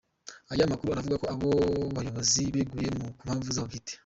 Aya makuru aravuga ko abo bayobozi beguye ku mpamvu zabo bwite.